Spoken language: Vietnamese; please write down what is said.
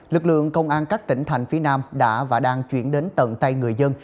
lực lượng công an các tỉnh thành phía nam đã và đang chuyển đến tận tay người dân